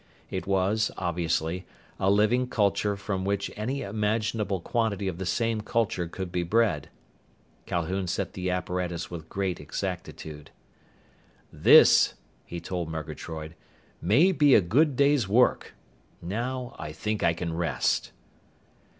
It was, obviously, a living culture from which any imaginable quantity of the same culture could be bred. Calhoun set the apparatus with great exactitude. "This," he told Murgatroyd, "may be a good day's work. Now I think I can rest."